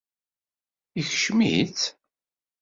Yeskcem-itt?